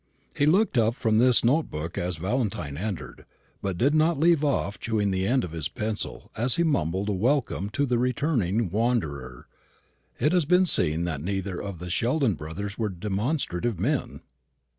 He looked up from this note book as Valentine entered, but did not leave off chewing the end of his pencil as he mumbled a welcome to the returning wanderer. It has been seen that neither of the Sheldon brothers were demonstrative men.